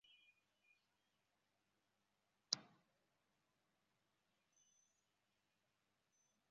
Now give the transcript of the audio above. পরে তিনি বাংলাদেশ জাতীয়তাবাদী দল থেকে পদত্যাগ করেন এবং কর্নেলের নেতৃত্বে লিবারেল ডেমোক্র্যাটিক পার্টিতে যোগ দেন।